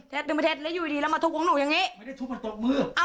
เท็จถึงประเทศแล้วอยู่อีกทีแล้วมาถูกของหนูอย่างเงี้ย